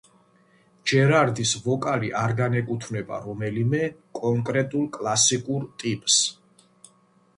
ჯერარდის ვოკალი არ განეკუთვნება რომელიმე კონკრეტულ კლასიკურ ტიპს.